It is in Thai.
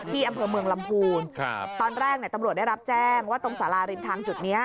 ที่อำเภอเมืองลำพูนครับตอนแรกตำรวจได้รับแจ้งว่าตรงสาราริมทางจุดนี้